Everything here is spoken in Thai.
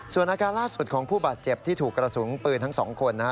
ส่วนอาการล่าสุดของผู้บาดเจ็บที่ถูกกระสุนปืนทั้ง๒คนนะฮะ